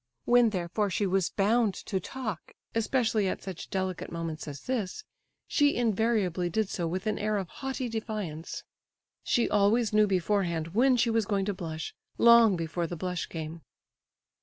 When, therefore, she was bound to talk, especially at such delicate moments as this, she invariably did so with an air of haughty defiance. She always knew beforehand when she was going to blush, long before the blush came.